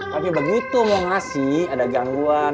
tapi begitu mau ngasih ada gangguan